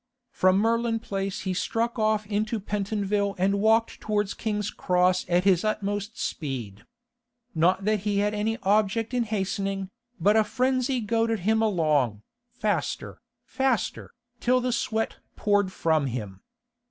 From Merlin Place he struck off into Pentonville and walked towards King's Cross at his utmost speed. Not that he had any object in hastening, but a frenzy goaded him along, faster, faster, till the sweat poured from him.